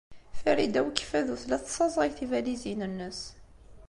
Farida n Ukeffadu tella tessaẓay tibalizin-nnes.